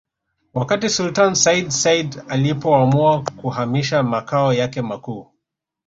Wakati Sultani Sayyid Said alipoamua kuhamisha makao yake makuu